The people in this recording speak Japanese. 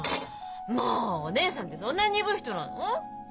もうお義姉さんってそんなに鈍い人なの？